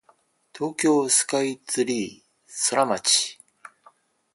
東京スカイツリーソラマチ